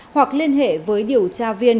hoặc liên hệ với điều tra viên